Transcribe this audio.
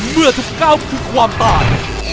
เมื่อทุกก้าวคือความตาย